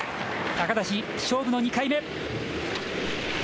高梨、勝負の２回目。